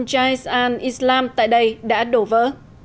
jaisal islam tại đây đã đổ vỡ